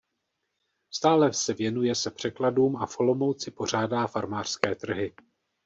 Stále se věnuje se překladům a v Olomouci pořádá farmářské trhy.